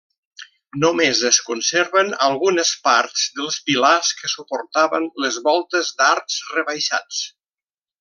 Només es conserven algunes parts dels pilars que suportaven les voltes d'arcs rebaixats.